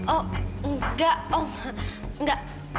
oh enggak om enggak